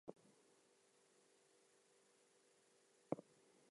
This is a dog-fighting tactic, allowing for more sudden braking and higher turn rates.